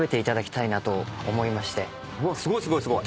すごいすごいすごい。